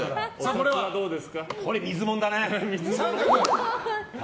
これは水もんだね。